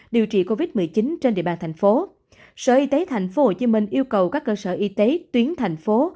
điều trị covid một mươi chín trên địa bàn thành phố sở y tế tp hcm yêu cầu các cơ sở y tế tuyến thành phố